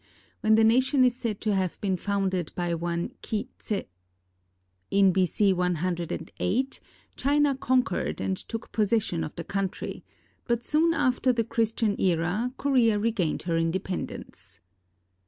when the nation is said to have been founded by one Ki tse. In B.C. io8, China conquered and took possession of the coun try, but soon after the Christian era Korea regained her independence.